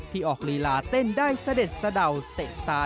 ออกลีลาเต้นได้เสด็จสะเดาเตะตา